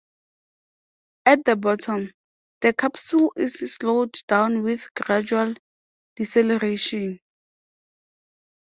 At the bottom, the capsule is slowed down with gradual deceleration.